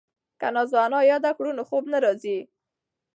که نازو انا یاده کړو نو خوب نه راځي.